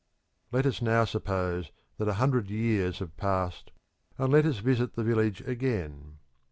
Let us now suppose that a hundred years have passed, and let us visit the village again.